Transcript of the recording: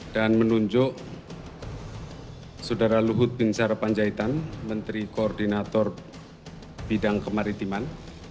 dan menunjuk saudara luhut binsar panjaitan menteri koordinator bidang kemaritiman